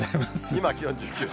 今、気温１９度。